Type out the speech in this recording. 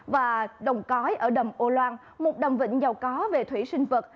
và đồng cói ở đầm âu loan một đầm vịnh giàu có về thủy sinh vật